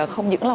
không những là